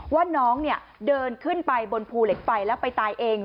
ว่าน้องเดินขึ้นไปบนภูเหล็กไฟแล้วไปตายเอง